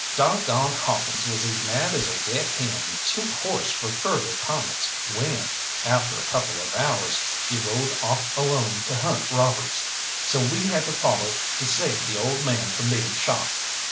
Dog gone Hawkins was as mad as a wet hen, too hoarse for further comments when, after a couple of hours, he rode off alone to hunt robbers; so we had to follow to save the old man from being shot.